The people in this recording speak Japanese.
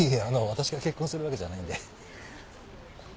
私が結婚するわけじゃないんで。